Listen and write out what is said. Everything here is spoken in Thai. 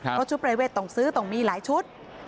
เพราะชุดประเวทต้องซื้อต้องมีหลายชุด